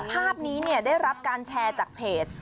ภาพนี้ได้รับการแชร์จากเพจ